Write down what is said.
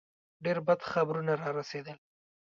ډېر بد خبرونه را رسېدل.